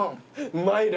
うまいな。